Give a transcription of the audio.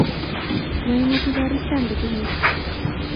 maimuche karuchan kotemis